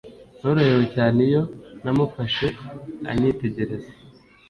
Ntorohewe cyane iyo namufashe anyitegereza